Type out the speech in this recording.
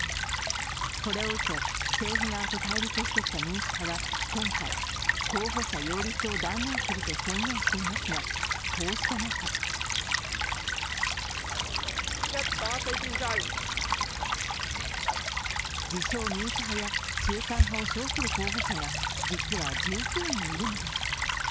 これを受け、政府側と対立してきた民主派は今回、候補者擁立を断念すると宣言していますが、こうした中自称・民主派や中間派を称する候補が実は十数人いるのです。